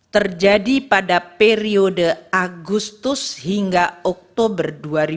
terjadi pada periode agustus hingga oktober dua ribu dua puluh